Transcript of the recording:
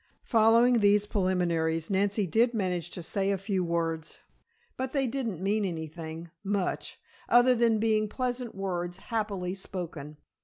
Following these preliminaries, Nancy did manage to say a few words. But they didn't mean anything, much, other than being pleasant words happily spoken.